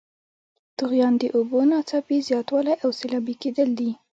طغیان د اوبو ناڅاپي زیاتوالی او سیلابي کیدل دي.